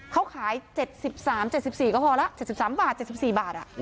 เขาขาย๗๓๗๔ก็พอละ๗๓บาท๗๔บาท